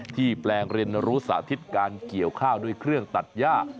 แปลงเรียนรู้สาธิตการเกี่ยวข้าวด้วยเครื่องตัดย่า